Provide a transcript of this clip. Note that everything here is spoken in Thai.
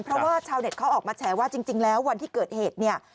เพราะว่าชาวเน็ตเขาออกมาแฉว่าจริงแล้ววันที่เกิดเหตุเนี่ย